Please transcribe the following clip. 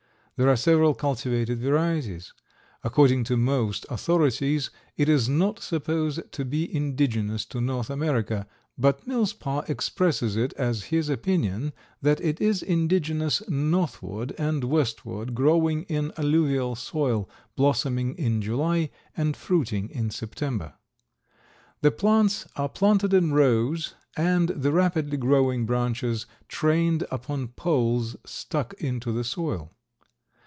There are several cultivated varieties. According to most authorities it is not supposed to be indigenous to North America, but Millspaugh expresses it as his opinion that it is indigenous northward and westward, growing in alluvial soil, blossoming in July and fruiting in September. The plants are planted in rows and the rapidly growing branches trained upon poles stuck into the soil.